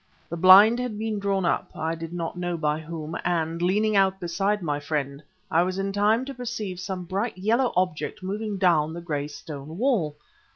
The blind had been drawn up, I did not know by whom; and, leaning out beside my friend, I was in time to perceive some bright object moving down the gray stone wall.